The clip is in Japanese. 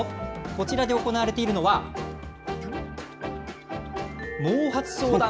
こちらで行われているのは、毛髪相談。